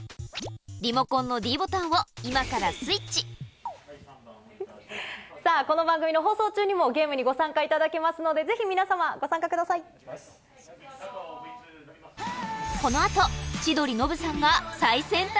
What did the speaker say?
リモコンのｄボタンを今からスイさあ、この番組の放送中にもゲームにご参加いただけますので、ぜひ皆様、今からスイッチ。